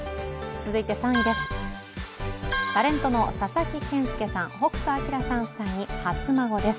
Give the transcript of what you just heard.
続いて３位です。